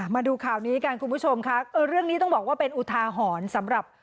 มาดูข่าวนี้กันคุณผู้ชมค่ะเรื่องนี้ต้องบอกว่าเป็นอุทาหรณ์สำหรับ